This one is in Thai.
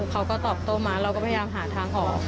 เขาก็ตอบโต้มาเราก็พยายามหาทางออก